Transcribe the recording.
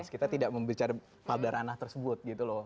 kita tidak membicara pada ranah tersebut gitu loh